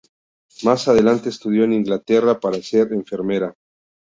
Más adelante estudió en Inglaterra para ser enfermera.